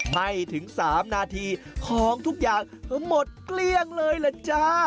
ไม่ถึง๓นาทีของทุกอย่างหมดเกลี้ยงเลยล่ะจ้า